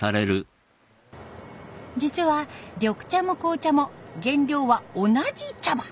実は緑茶も紅茶も原料は同じ茶葉。